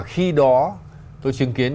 khi đó tôi chứng kiến